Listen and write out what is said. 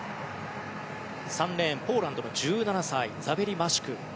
３レーン、ポーランドの１７歳ザベリ・マシュク。